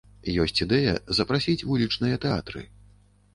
Ёсць ідэя запрасіць вулічныя тэатры.